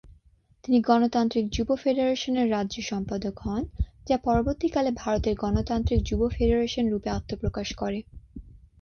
তিনি গণতান্ত্রিক যুব ফেডারেশনের রাজ্য সম্পাদক হন যা পরবর্তী কালে ভারতের গণতান্ত্রিক যুব ফেডারেশন রূপে আত্মপ্রকাশ করে।